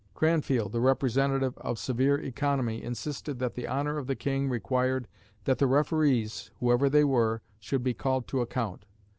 Cranfield, the representative of severe economy, insisted that the honour of the King required that the referees, whoever they were, should be called to account.